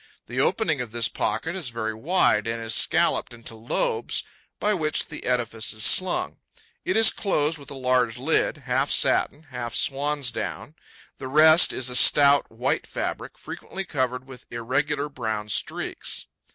The opening of this pocket is very wide and is scalloped into lobes by which the edifice is slung. It is closed with a large lid, half satin, half swan's down. The rest is a stout white fabric, frequently covered with irregular brown streaks.